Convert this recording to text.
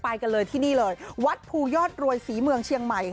กันเลยที่นี่เลยวัดภูยอดรวยศรีเมืองเชียงใหม่